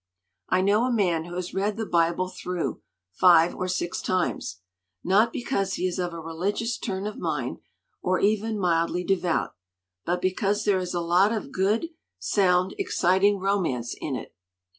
"I know a man who has read the Bible through five or six times, not .because he is of a religious turn of mind or even mildly devout, but because there is a lot of good, sound, exciting romance in it!